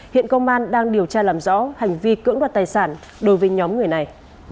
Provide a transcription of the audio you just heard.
hiện công an đang điều tra làm rõ hành vi cưỡng đoạt tài sản đối với nhóm người này